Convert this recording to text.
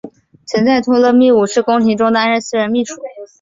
曾在托勒密五世宫廷中担任私人秘书。